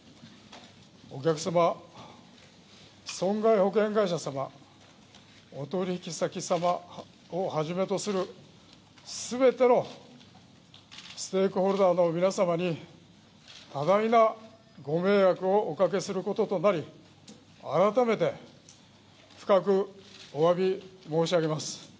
お客様、損害保険会社様お取引先様をはじめとする全てのステークホルダーの皆様に多大なご迷惑をおかけすることとなり改めて深くおわび申し上げます。